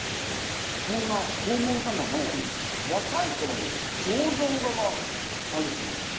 そんな黄門様の若いころの肖像画があるそうなので。